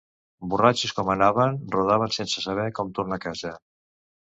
Borratxos com anaven, rondaven sense saber com tornar a casa.